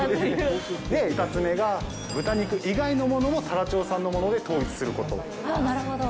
２つ目が、豚肉以外のものも太良町産のもので統一すること。